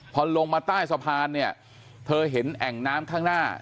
พอลงมาใต้สะพานเนี่ยเธอเห็นแอ่งน้ำข้างหน้า